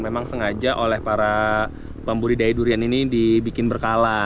memang sengaja oleh para pembudidaya durian ini dibikin berkala